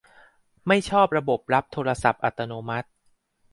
ไม่ชอบระบบรับโทรศัพท์อัตโนมัติ